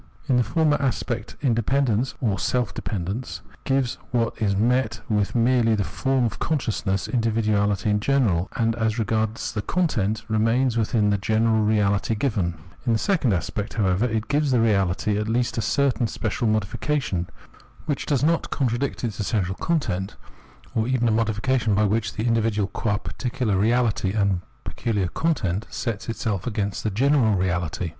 In the former a,spect independence [or self depend ence] gives what is met with merely the form of conscious tadividuahty in general, and as regards Observation of Self consciousness 291 the content remains within the general reality given ; in the second aspect, however, it gives the reahty at least a certain special modification, which does not contradict its essential content, or even a modification by which the individual qua particular reahty and pecuhar content sets itself against the general reahty.